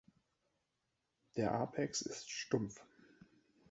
Der Apex ist stumpf.